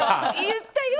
言ったよ？